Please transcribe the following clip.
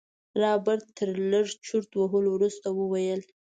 رابرټ تر لږ چورت وهلو وروسته وويل.